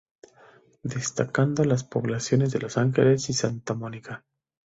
Destacando las poblaciones de Los Ángeles y Santa Mónica.